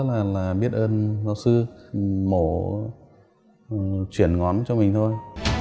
rất là biết ơn giáo sư mổ chuyển ngón cho mình thôi